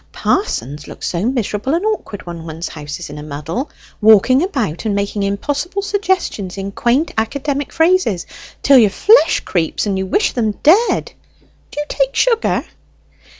Parsons look so miserable and awkward when one's house is in a muddle; walking about, and making impossible suggestions in quaint academic phrases till your flesh creeps and you wish them dead. Do you take sugar?"